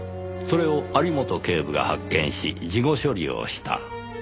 それを有本警部が発見し事後処理をした。